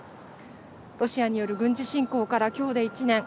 ロシアによる軍事侵攻から今日で１年。